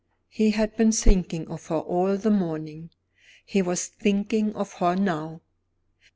He had been thinking of her all the morning; he was thinking of her now.